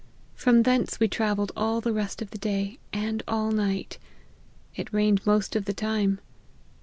From thence we travelled all the rest of the day and all night ; it rained most of the time.